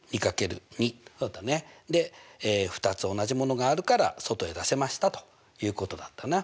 で２つ同じものがあるから外へ出せましたということだったな。